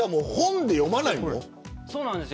そうなんです。